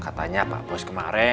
katanya apa bos kemarin